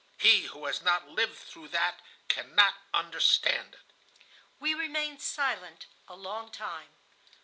He who has not lived through that cannot understand it." We remained silent a long time.